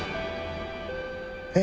・えっ？